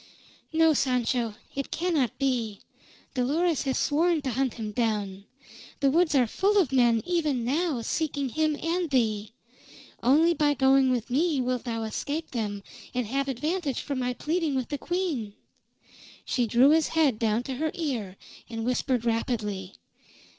"No, Sancho. It cannot be. Dolores has sworn to hunt him down; the woods are full of men even now, seeking him and thee. Only by going with me wilt thou escape them and have advantage from my pleading with the queen." She drew his head down to her ear, and whispered rapidly.